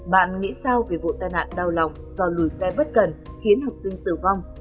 bạn nghĩ sao về vụ tai nạn đau lòng do lùi xe bất cần khiến học sinh tử vong